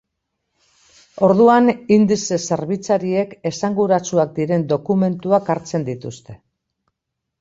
Orduan, indize zerbitzariek esanguratsuak diren dokumentuak hartzen dituzte.